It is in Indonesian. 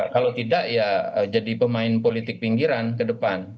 kalau tidak ya jadi pemain politik pinggiran ke depan